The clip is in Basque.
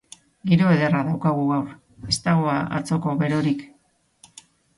Giro ederra daukagu gaur, ez dago atzoko berorik.